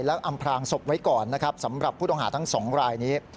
แล้วอำพลางศพไว้ก่อนนะครับสำหรับผู้ต้องหาทั้งสองรายนี้